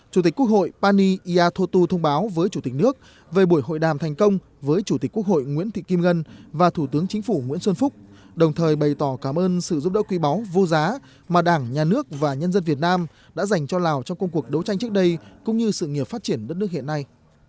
chủ tịch quốc hội pani yathotu thông báo với chủ tịch nước về buổi hội đàm thành công với chủ tịch quốc hội nguyễn thị kim ngân và thủ tướng chính phủ nguyễn xuân phúc đồng thời bày tỏ cảm ơn sự giúp đỡ quý báu vô giá mà đảng nhà nước và nhân dân việt nam đã dành cho lào trong công cuộc đấu tranh trước đây cũng như sự nghiệp phát triển đất nước hiện nay